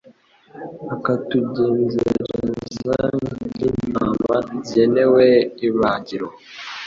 bakatugenzereza nk’intama zigenewe ibagiro